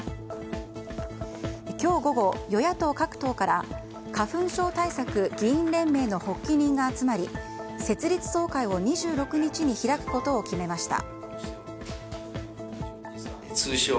今日午後、与野党各党から花粉症対策議員連盟の発起人が集まり、設立総会を２６日に開くことを決めました。